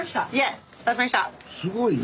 すごいな。